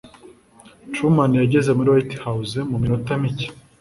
Truman yageze muri White House mu minota mike.